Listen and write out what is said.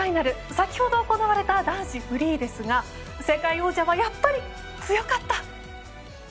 先ほど、行われた男子フリーですが世界王者はやっぱり強かった！